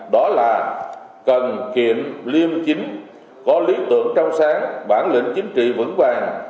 đó là cần kiệm liêm chính có lý tưởng trong sáng bản lĩnh chính trị vững vàng